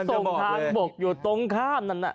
ส่งทางบกอยู่ตรงข้ามนั่นน่ะ